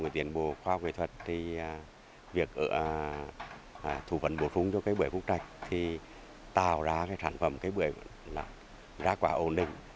tất cả các sản phẩm của buổi bữa là ra quả ồn định